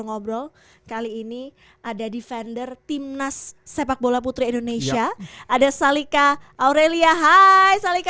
ngobrol kali ini ada defender timnas sepak bola putri indonesia ada salika aurelia hai salika